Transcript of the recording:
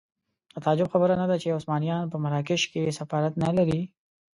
د تعجب خبره نه ده چې عثمانیان په مراکش کې سفارت نه لري.